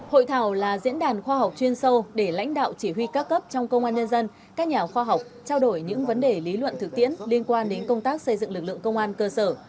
hội thảo là diễn đàn khoa học chuyên sâu để lãnh đạo chỉ huy các cấp trong công an nhân dân các nhà khoa học trao đổi những vấn đề lý luận thực tiễn liên quan đến công tác xây dựng lực lượng công an cơ sở